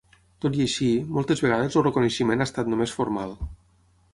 Tot i així, moltes vegades el reconeixement ha estat només formal.